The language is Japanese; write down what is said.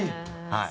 はい。